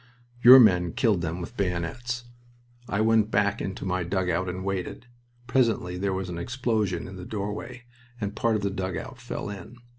Your men killed them with bayonets. I went back into my dugout and waited. Presently there was an explosion in the doorway and part of the dugout fell in.